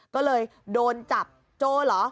ก็เลยโดนจับโจเหรอ